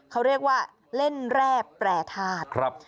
เขาเรียกว่าเล่นแร่แปรทาส